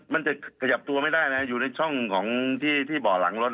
มันจะขยับตัวไม่ได้นะอยู่ในช่องของที่เบาะหลังรถ